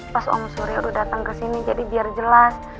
pas om suri udah datang ke sini jadi biar jelas